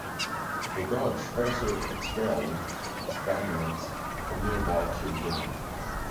The Dutch also expelled the Spaniards from nearby Keelung.